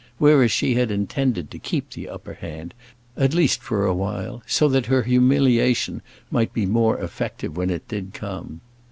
Whereas, she had intended to keep the upper hand, at least for a while, so that her humiliation might be more effective when it did come.